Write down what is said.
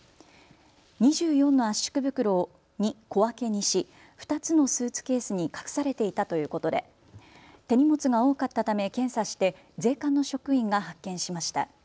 ２４の圧縮袋に小分けにし２つのスーツケースに隠されていたということで手荷物が多かったため検査して税関の職員が発見しました。